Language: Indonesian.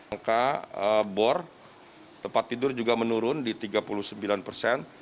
angka bor tempat tidur juga menurun di tiga puluh sembilan persen